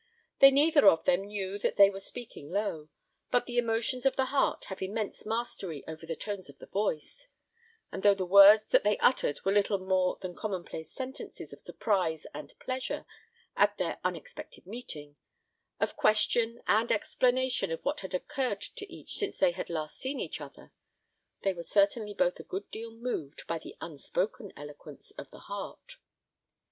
They neither of them knew that they were speaking low; but the emotions of the heart have immense mastery over the tones of the voice; and though the words that they uttered were little more than commonplace sentences of surprise and pleasure at their unexpected meeting, of question and explanation of what had occurred to each since they had last seen each other, they were certainly both a good deal moved by the unspoken eloquence of the heart.